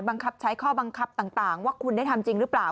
บังคับใช้ข้อบังคับต่างว่าคุณได้ทำจริงหรือเปล่า